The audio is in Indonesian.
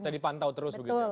bisa dipantau terus begitu